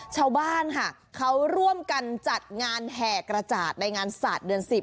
ชาวบ้านค่ะเขาร่วมกันจัดงานแห่กระจาดในงานศาสตร์เดือน๑๐